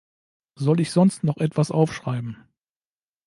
Soll ich sonst noch etwas aufschreiben?